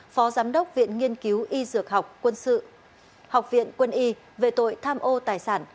phó giám đốc viện nghiên cứu y dược học quân sự học viện quân y về tội tham ô tài sản